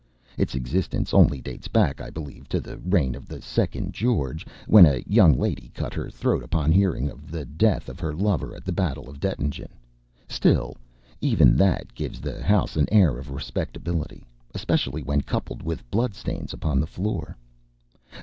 Its existence only dates back, I believe, to the reign of the Second George, when a young lady cut her throat upon hearing of the death of her lover at the battle of Dettingen. Still, even that gives the house an air of respectability, especially when coupled with bloodstains upon the floor.